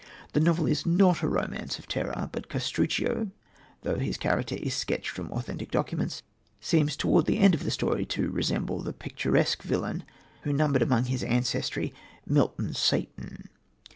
The novel is not a romance of terror; but Castruccio, though his character is sketched from authentic documents, seems towards the end of the story to resemble the picturesque villain who numbered among his ancestry Milton's Satan.